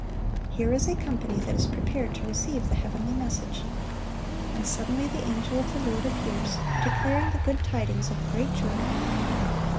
Here is a company that is prepared to receive the heavenly message. And suddenly the angel of the Lord appears, declaring the good tidings of great joy.